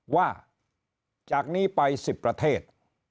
ว่าจากนี้ไป๑๐ประเทศ